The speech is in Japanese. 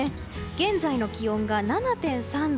現在の気温が７．３度。